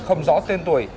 không rõ tên tuổi